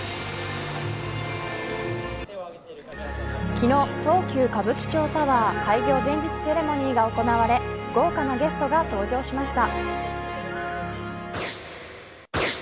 昨日、東急歌舞伎町タワー開業前日セレモニーが行われ豪華なゲストが登場しました。